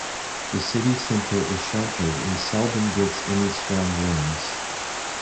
The city centre is sheltered and seldom gets any strong winds.